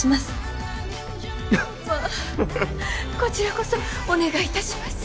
こちらこそお願いいたします。